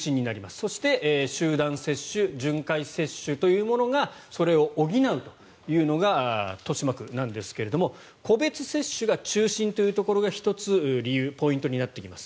そして、集団接種巡回接種というものがそれを補うというのが豊島区なんですが個別接種が中心というところが１つ理由、ポイントになってきます。